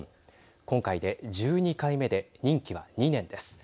今回で１２回目で任期は２年です。